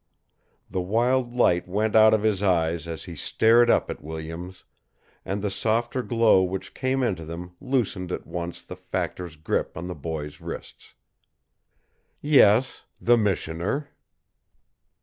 The wild light went out of his eyes as he stared up at Williams, and the softer glow which came into them loosened at once the factor's grip on the boy's wrists. "Yes, the missioner!"